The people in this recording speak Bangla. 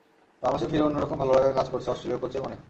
বাংলাদেশে ফিরে অন্য রকম ভালো লাগা কাজ করছে অস্ট্রেলীয় কোচের মনে।